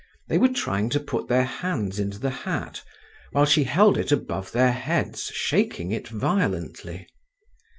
They were trying to put their hands into the hat, while she held it above their heads, shaking it violently.